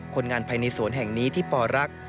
คนงานภายในสวนแห่งนี้ที่ปรัก